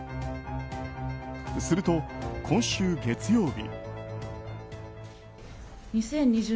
すると、今週月曜日。